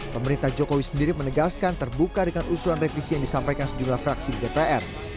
pemerintah jokowi sendiri menegaskan terbuka dengan usulan revisi yang disampaikan sejumlah fraksi di dpr